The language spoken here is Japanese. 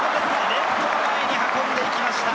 レフトの前に運んで行きました。